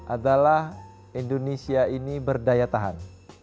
adalah indonesia ini berdaya tahan